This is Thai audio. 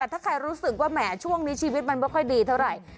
ถ้าใครรู้สึกว่าแหมช่วงนี้ชีวิตมันไม่ค่อยดีเท่าไหร่